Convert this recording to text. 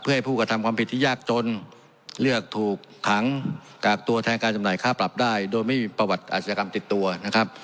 เพื่อให้ผู้กระทำความผิดที่ยากจนเลือกถูกขังกากตัวแทนการจำหน่ายค่าปรับได้โดยไม่มีประวัติอาชญากรรมติดตัวนะครับ